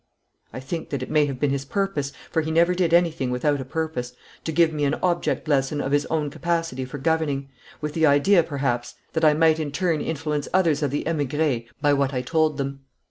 I think that it may have been his purpose for he never did anything without a purpose to give me an object lesson of his own capacity for governing, with the idea, perhaps, that I might in turn influence others of the Emigres by what I told them.